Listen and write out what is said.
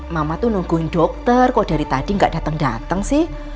mama tuh nungguin dokter kok dari tadi gak datang datang sih